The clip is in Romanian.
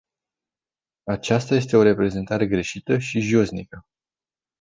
Aceasta este o reprezentare greșită și josnică.